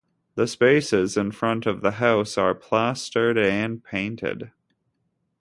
The spaces in front of the house are plastered and painted.